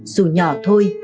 dù nhỏ thôi